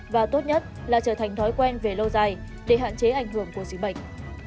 và tốt nhất là trở thành thói quen về lâu dài để hạn chế ảnh hưởng của dịch bệnh